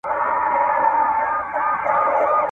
په ټولنه کي باید د معلولینو سپکاوی ونه سي.